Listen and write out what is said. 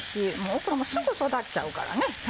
オクラもすぐ育っちゃうからね。